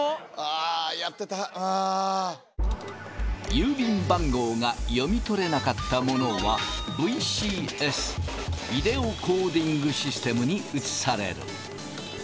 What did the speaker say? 郵便番号が読み取れなかったものはＶＣＳビデオコーディングシステムに移される。